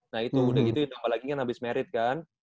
nah itu udah gitu apalagi kan abis married kan